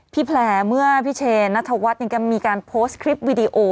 พี่แพรเมื่อพี่เชนัททวัตรเนี่ยก็มีการโพสต์คลิปวีดีโอ